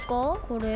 これ。